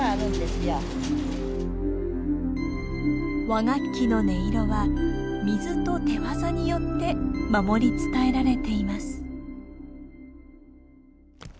和楽器の音色は水と手技によって守り伝えられています。